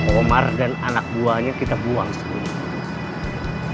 komar dan anak buahnya kita buang sepenuhnya